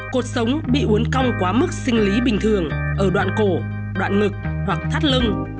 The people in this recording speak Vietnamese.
cột sống bị uốn cong quá mức sinh lý bình thường ở đoạn cổ đoạn ngực hoặc thắt lưng